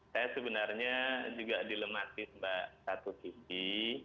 saya sebenarnya juga dilematis mbak satu sisi